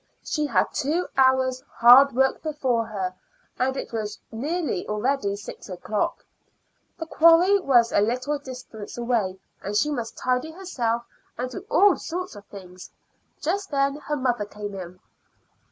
She had two hours' hard work before her, and it was already nearly six o'clock. The quarry was a little distance away, and she must tidy herself and do all sorts of things. Just then her mother came in.